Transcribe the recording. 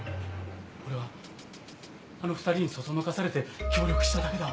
俺はあの２人にそそのかされて協力しただけだ。